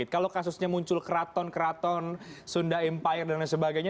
kalau kasusnya muncul keraton keraton sunda empire dan lain sebagainya